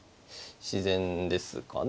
自然ですかね。